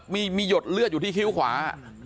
มีหยดเลือดอยู่ที่คิ้วขวา